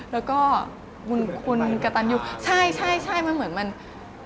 แล้วก็คุณกะตานยุใช่มันเหมือนมันก็ไรอยู่ไหม